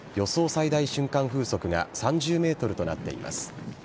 最大瞬間風速が３０メートルとなっています。